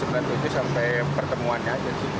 dari tujuh sampai pertemuannya